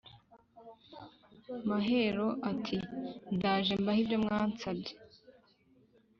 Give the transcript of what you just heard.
Mahero ati: ndaje mbahe ibyo mwansabye